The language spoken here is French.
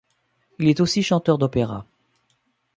Il est aussi chanteur d'opéra.